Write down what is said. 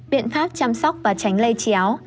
biện pháp chăm sóc và tránh lây chéo